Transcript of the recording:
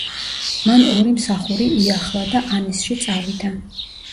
მან ორი მსახური იახლა და ანისში წავიდა.